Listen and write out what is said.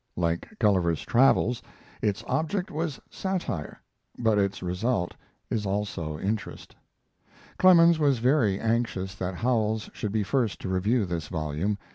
Like Gulliver's Travels, its object was satire, but its result is also interest. Clemens was very anxious that Howells should be first to review this volume.